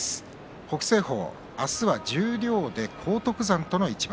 北青鵬、明日は十両で荒篤山との一番。